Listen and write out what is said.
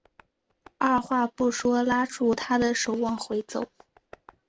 二话不说拉住她的手往回走